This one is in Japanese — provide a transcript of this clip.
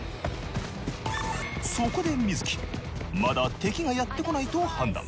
そこでｍｉｚｕｋｉまだ敵がやってこないと判断。